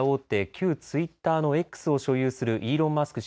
旧ツイッターのＸを所有するイーロン・マスク